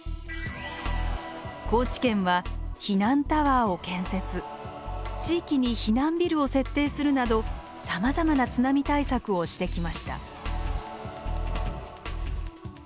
高知県は避難タワーを建設地域に避難ビルを設定するなどさまざまな津波対策をしてきました。